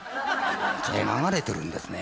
流れてるんですね。